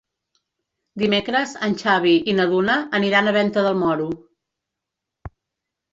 Dimecres en Xavi i na Duna aniran a Venta del Moro.